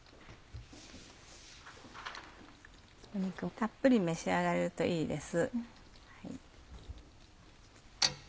肉をたっぷり召し上がれるといいです。